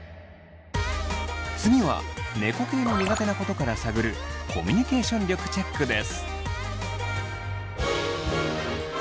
次は猫系の苦手なことから探るコミュニケーション力チェックです！